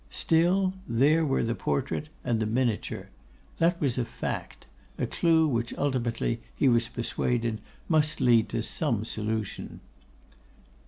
Still there were the portrait and the miniature. That was a fact; a clue which ultimately, he was persuaded, must lead to some solution.